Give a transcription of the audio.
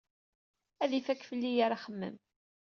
Ad ifakk fell-i yir axemmem.